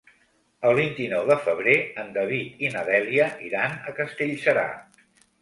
El vint-i-nou de febrer en David i na Dèlia iran a Castellserà.